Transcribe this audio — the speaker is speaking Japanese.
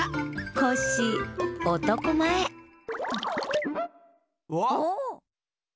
コッシーおとこまえおっ